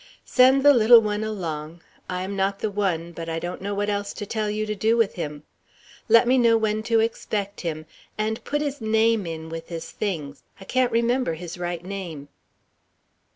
"Send the little one along. I am not the one, but I don't know what else to tell you to do with him. Let me know when to expect him, and put his name in with his things I can't remember his right name."